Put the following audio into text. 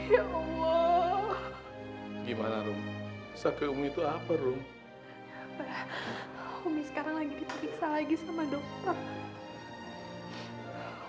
ya allah gimana rum sakit umi itu apa rum umi sekarang lagi teriksa lagi sama dokter